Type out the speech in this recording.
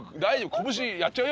拳やっちゃうよ